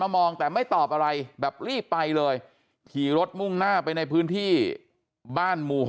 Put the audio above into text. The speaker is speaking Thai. มองแต่ไม่ตอบอะไรแบบรีบไปเลยขี่รถมุ่งหน้าไปในพื้นที่บ้านหมู่๖